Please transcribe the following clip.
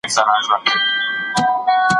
په مرکه کې د مخطوبې د کورنۍ ستاينه وکړئ.